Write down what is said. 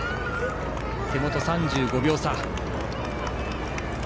手元、３５秒差。